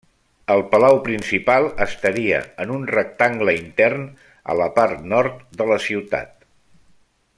El palau principal estaria en un rectangle intern a la part nord de la ciutat.